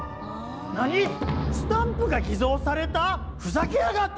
スタンプが偽造された⁉ふざけやがって！